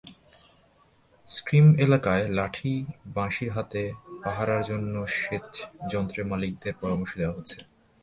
Scheme এলাকায় লাঠি-বাঁশি হাতে পাহারার জন্য সেচযন্ত্রের মালিকদের পরামর্শ দেওয়া হচ্ছে।